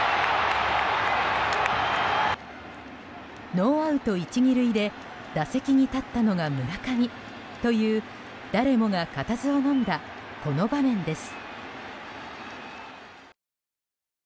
ノーアウト１、２塁で打席に立ったのが村上という誰もが固唾をのんだこの場面です。